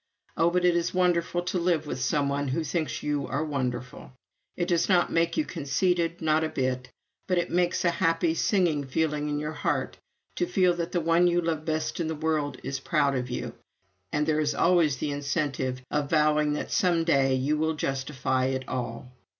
Oh, but it is wonderful to live with some one who thinks you are wonderful! It does not make you conceited, not a bit, but it makes a happy singing feeling in your heart to feel that the one you love best in the world is proud of you. And there is always the incentive of vowing that some day you will justify it all.